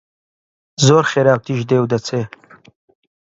زۆر خێرا و تیژ دێ و دەچێ